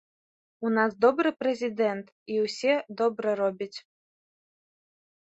У нас добры прэзідэнт і усе добра робіць.